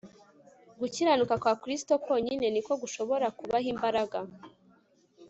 Gukiranuka kwa Kristo konyine ni ko gushobora kubaha imbaraga